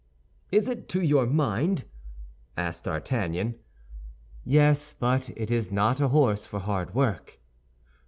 "Is it to your mind?" asked D'Artagnan. "Yes; but it is not a horse for hard work."